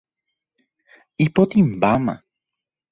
Ipotĩmbáma.